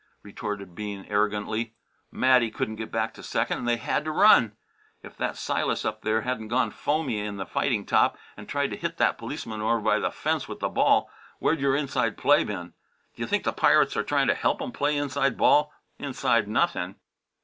retorted Bean arrogantly. "Matty couldn't get back to second and they had to run. If that Silas up there hadn't gone foamy in the fighting top and tried to hit that policeman over by the fence with the ball, where'd your inside play been? D'you think the Pirates are trying to help 'em play inside ball? Inside, nothing!"